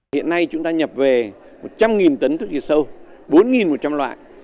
hiện nay chúng ta nhập về một trăm linh tấn thuốc diệt sâu bốn một trăm linh loại